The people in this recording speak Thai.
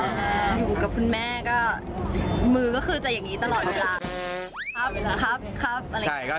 ผมกับคุณแม่มือก็จะอย่างงี้ตลอดเวลา